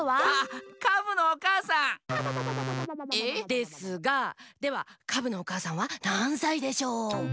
ですがではカブのおかあさんはなんさいでしょう？